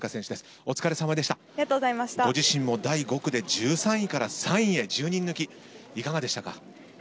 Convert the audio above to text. お疲れさまでしたご自身も第５区で１３位から３位へ１０人抜きいかがでしたか。